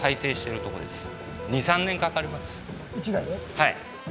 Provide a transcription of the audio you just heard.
はい。